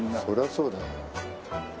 そりゃそうだよ。